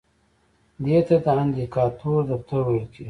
دې ته د اندیکاتور دفتر ویل کیږي.